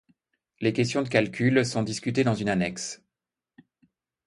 Les questions de calcul sont discutés dans une annexe.